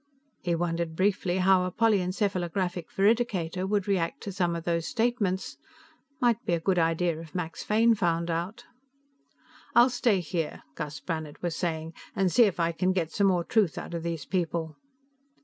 He wondered briefly how a polyencephalographic veridicator would react to some of those statements; might be a good idea if Max Fane found out. "I'll stay here," Gus Brannhard was saying, "and see if I can get some more truth out of these people."